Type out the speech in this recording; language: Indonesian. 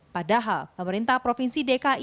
padahal pemerintah provinsi dki